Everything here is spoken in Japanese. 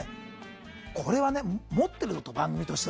これは持っているぞ、番組として。